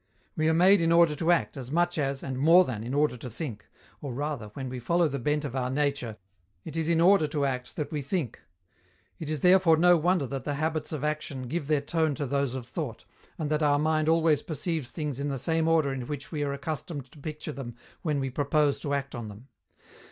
We are made in order to act as much as, and more than, in order to think or rather, when we follow the bent of our nature, it is in order to act that we think. It is therefore no wonder that the habits of action give their tone to those of thought, and that our mind always perceives things in the same order in which we are accustomed to picture them when we propose to act on them.